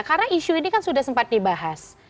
karena isu ini kan sudah sempat dibahas